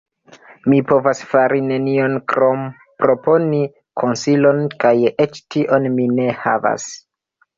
Mi povas fari nenion krom proponi konsilon, kaj eĉ tion mi ne havas.